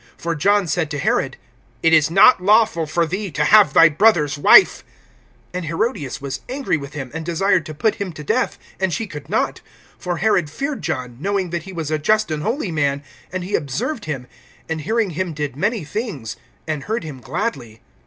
(18)For John said to Herod: It is not lawful for thee to have thy brother's wife. (19)And Herodias was angry with him, and desired to put him to death; and she could not, (20)for Herod feared John, knowing that he was a just and holy man; and he observed him[6:20], and hearing him did many things, and heard him gladly.